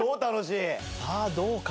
さあどうか？